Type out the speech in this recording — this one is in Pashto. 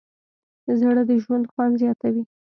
زړه د ژوند خوند زیاتوي.